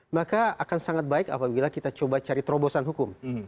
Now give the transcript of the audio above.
maka akan sangat baik apabila kita coba cari terobosan hukum